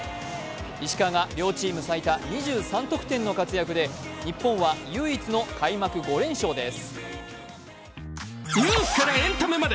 石川が両チーム最多２３得点の活躍で、日本は唯一の開幕５連勝です。